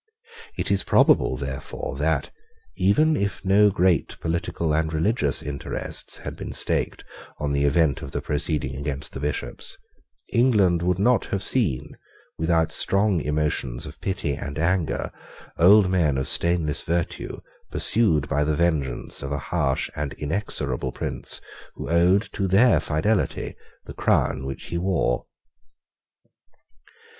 It is probable, therefore, that, even if no great political and religious interests had been staked on the event of the proceeding against the Bishops, England would not have seen, without strong emotions of pity and anger, old men of stainless virtue pursued by the vengeance of a harsh and inexorable prince who owed to their fidelity the crown which he wore.